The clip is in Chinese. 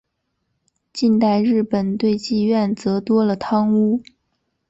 近代日本对妓院则多了汤屋。